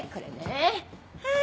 はい。